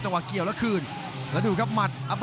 กรรมการเตือนทั้งคู่ครับ๖๖กิโลกรัม